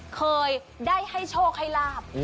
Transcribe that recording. เคยได้ให้โชคให้ลาบ